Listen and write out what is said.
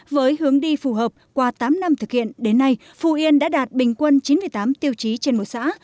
với hướng đi phù hợp qua tám năm thực hiện đến nay phú yên đã đạt bình quân chín mươi tám tiêu chí trên mỗi xã